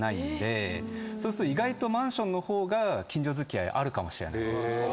そうすると意外とマンションの方が近所付き合いあるかもしれない。